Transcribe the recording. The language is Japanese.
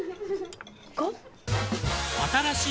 ５？